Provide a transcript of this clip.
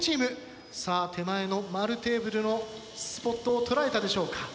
さあ手前の円テーブルのスポットを捉えたでしょうか。